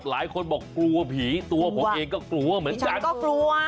หลายคนบอกกลัวผีตัวผมเองก็กลัวเหมือนกันก็กลัว